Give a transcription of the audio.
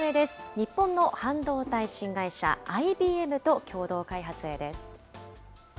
日本の半導体新会社、ＩＢＭと共同開発へです。